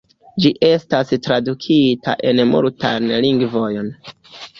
Ĝi estas tradukita en multajn lingvojn.